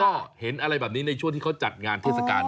ก็เห็นอะไรแบบนี้ในช่วงที่เขาจัดงานเทศกาล